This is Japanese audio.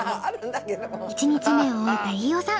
１日目を終えた飯尾さん。